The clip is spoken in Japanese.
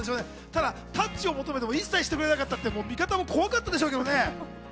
ただタッチを求めても一切してくれなかったって、味方も怖かったでしょうけどね。